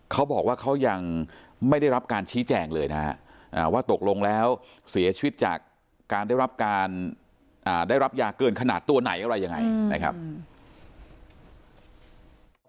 เขาบอกว่าเขายังไม่ได้รับการชี้แจงเลยนะฮะว่าตกลงแล้วเสียชีวิตจากการได้รับการได้รับยาเกินขนาดตัวไหนอะไรยังไงนะครับ